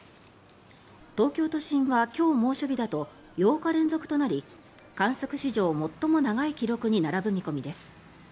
東京都心は今日、猛暑日だと８日連続となり観測史上最も長い記録に並ぶ見込みです。